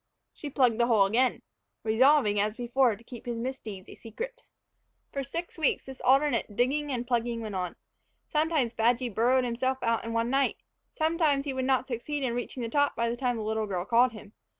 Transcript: She plugged the hole, resolving, as before, to keep his misdeeds a secret. For six weeks this alternate digging and plugging went on. Sometimes Badgy burrowed himself out in one night, sometimes he would not succeed in reaching the top by the time the little girl called him.